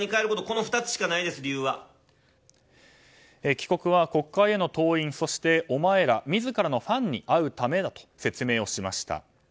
帰国は国会への登院そしてお前ら、自らのファンに会うためだと説明をしました。